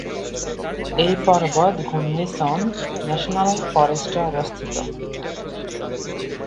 এই পর্বত গুননিসন ন্যাশনাল ফরেস্টে অবস্থিত।